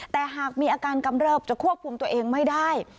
แต่หากมีอาการกำเริบจะควบคุมตัวเองไม่ได้